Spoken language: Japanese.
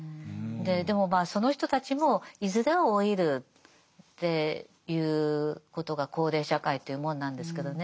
でもまあその人たちもいずれは老いるっていうことが高齢社会というもんなんですけどね。